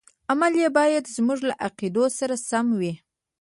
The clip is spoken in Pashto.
عمل یې باید زموږ له عقایدو سره سم وي.